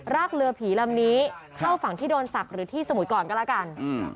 รากเรือผีลำนี้เข้าฝั่งที่โดนศักดิ์หรือที่สมุยก่อนก็แล้วกัน